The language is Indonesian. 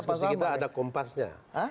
di spesifik kita ada kompasnya